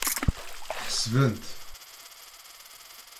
Ḥesbent.